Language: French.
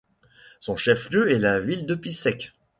Son chef-lieu est la ville de Písek.